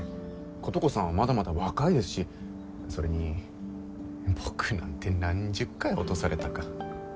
琴子さんはまだまだ若いですしそれに僕なんて何十回落とされたか。